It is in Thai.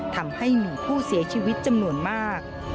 ทำให้มีผู้เสียชีวิตจำนวนมาก